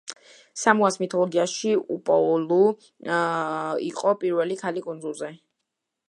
სამოას მითოლოგიაში უპოლუ იყო პირველი ქალი კუნძულზე.